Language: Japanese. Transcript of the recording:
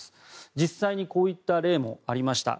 実際にこういった例もありました。